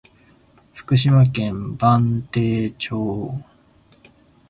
福島県磐梯町